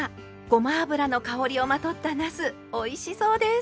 ごま油の香りをまとったなすおいしそうです！